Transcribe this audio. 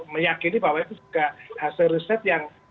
meyakini bahwa itu juga hasil riset yang